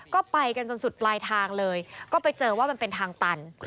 ก็ไปกันจนสุดปลายทางเลยก็ไปเจอว่ามันเป็นทางตัน